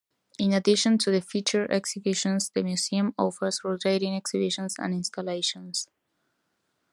In addition to the featured exhibitions, the museum offers rotating exhibitions and installations.